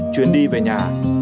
chuyến đi về nhà